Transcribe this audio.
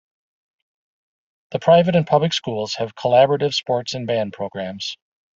The private and public schools have collaborative sports and band programs.